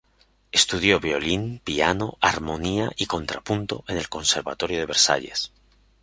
Estudió violín, piano, armonía y contrapunto en el conservatorio de Versalles.